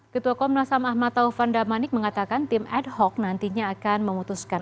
ketua komnas ham ahmad taufan damanik mengatakan tim ad hoc nantinya akan memutuskan